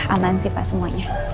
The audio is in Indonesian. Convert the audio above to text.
aman sih pak semuanya